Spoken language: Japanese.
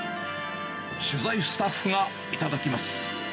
取材スタッフが頂きます。